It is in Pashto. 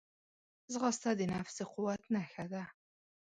ځغاسته د نفس د قوت نښه ده